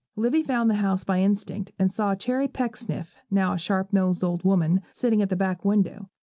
Livy found the house by instinct; and saw Cherry Pecksniff, now a sharp nosed old woman, sitting at the back window.